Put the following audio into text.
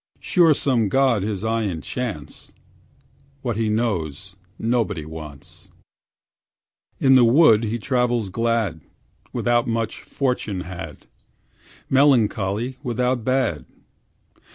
Sure some god his eye enchants: What he knows nobody wants. In the wood he travels glad, Without better fortune had, Melancholy without bad.